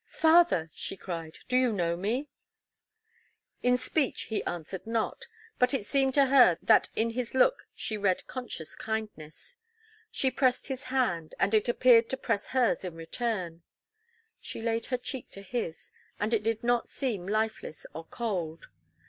"Father!" she cried, "do you know me?" In speech he answered not, but it seemed to her that in his look she read conscious kindness. She pressed his hand, and it appeared to press hers in return; she laid her cheek to his, and it did not seem lifeless or cold.